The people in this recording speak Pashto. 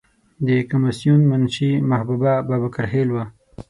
د کمیسیون منشی محبوبه بابکر خیل وه.